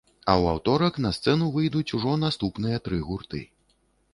А ў аўторак на сцэну выйдуць ужо наступныя тры гурты.